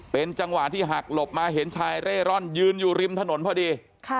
เป็นจังหวะที่หักหลบมาเห็นชายเร่ร่อนยืนอยู่ริมถนนพอดี